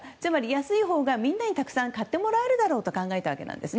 安いほうがみんなにたくさん買ってもらえるだろうと考えたわけです。